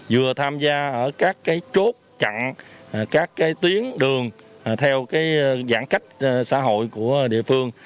vừa tham gia ở các chốt chặn các tuyến đường theo giãn cách xã hội của địa phương